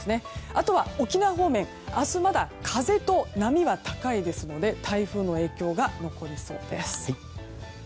あとは沖縄方面明日まだ、風と波は高いですので台風の影響が残りそうです。